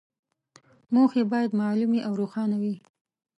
موخې باید معلومې او روښانه وي.